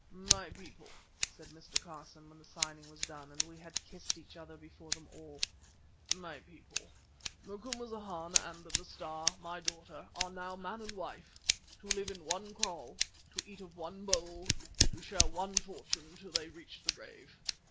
"My people," said Mr. Carson, when the signing was done, and we had kissed each other before them all—"My people, Macumazahn and the Star, my daughter, are now man and wife, to live in one kraal, to eat of one bowl, to share one fortune till they reach the grave.